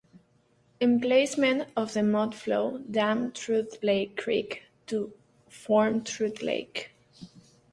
Emplacement of the mudflow dammed Trout Lake Creek to form Trout Lake.